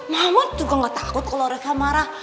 mama juga gak takut kalo reva marah